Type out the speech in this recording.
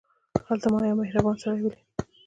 هلته ما یو مهربان سړی ولید.